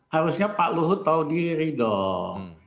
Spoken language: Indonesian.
harusnya pak luhut tahu diri dong